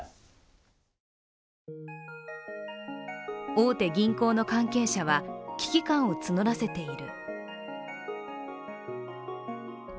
大手銀行の関係者は危機感を募らせている。